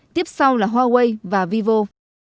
tiếp sau là huawei và vivo